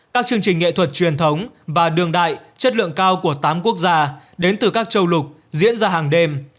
các chương trình nghệ thuật truyền thống và đường đại chất lượng cao của tám quốc gia đến từ các châu lục diễn ra hàng đêm